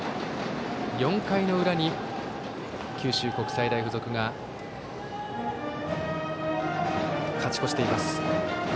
４回の裏に九州国際大付属が勝ち越しています。